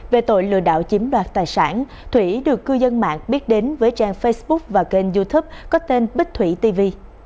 về tội lừa đảo chiếm đoạt tài sản thủy được cư dân mạng biết đến với trang facebook và kênh youtube có tên bích thủy tv